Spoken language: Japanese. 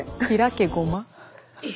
ひらけごま？